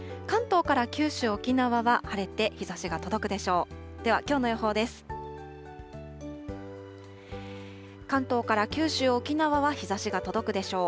関東から九州、沖縄は日ざしが届くでしょう。